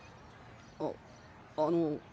あっあの。